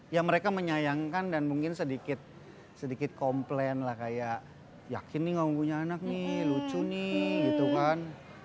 ya mereka menyayangkan dan mungkin sedikit komplain lah kayak yakin nih nganggunya anak nih lucu nih gitu kan